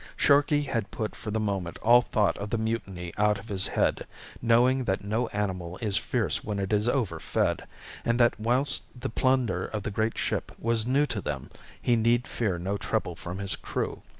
Sharkey had put for the moment all thought of the mutiny out of his head, knowing that no animal is fierce when it is over fed, and that whilst the plunder of the great ship was new to them he need fear no trouble from his crew.